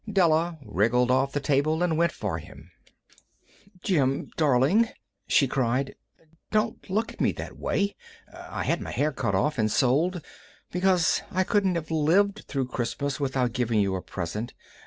Della wriggled off the table and went for him. "Jim, darling," she cried, "don't look at me that way. I had my hair cut off and sold because I couldn't have lived through Christmas without giving you a present.